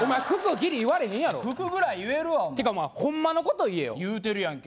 ギリ言われへんやろ九九ぐらい言えるわてかホンマのこと言えよ言うてるやんけ